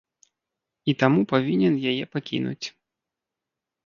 І таму павінен яе пакінуць.